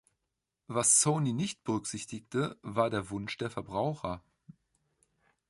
Was Sony nicht berücksichtigte, war der Wunsch der Verbraucher.